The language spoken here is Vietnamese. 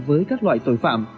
với các loại tội phạm